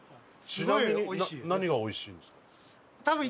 ちなみに何が美味しいんですか？